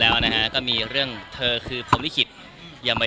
ละครนี้ก็นอกจากดรการแร่งสูตรรักชุดรูปมาก